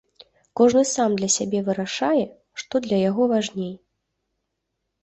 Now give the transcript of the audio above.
Кожны сам для сябе вырашае, што для яго важней.